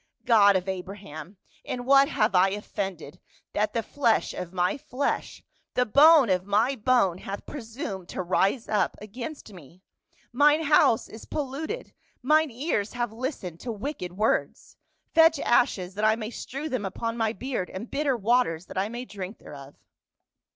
" God of Abra ham ! in what have I offended, that the flesh of my 120 PAUL. flesh, the bone of my bone hath presumed to rise up against me ? Mine house is polluted ! Mine ears have listened to wicked words ! Fetch ashes that I may strew them upon my beard, and bitter waters that I may drink thereof."